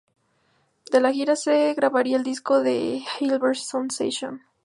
De la gira, se grabaría el disco "The Hilversum Session".